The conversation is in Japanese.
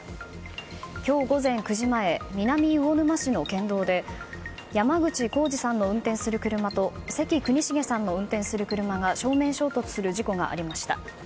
今日午前９時前南魚沼市の県道で山口孝司さんの運転する車と関國茂さんの運転する車が正面衝突する事故がありました。